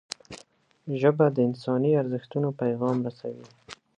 ژبه د انساني ارزښتونو پیغام رسوي